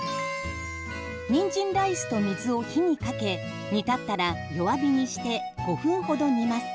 にんじんライスと水を火にかけ煮立ったら弱火にして５分ほど煮ます。